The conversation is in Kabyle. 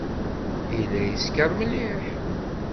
Yella yeskeṛ mliḥ.